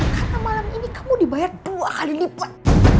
karena malam ini kamu dibayar dua kali lipat